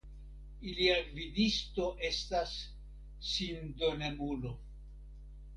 Ilia gvidisto estas "sindonemulo".